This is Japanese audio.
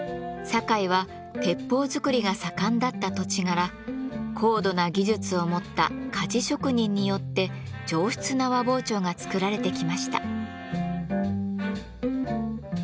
堺は鉄砲作りが盛んだった土地柄高度な技術を持った鍛冶職人によって上質な和包丁が作られてきました。